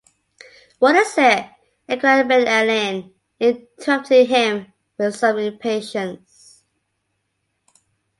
‘What is it?’ inquired Ben Allen, interrupting him with some impatience.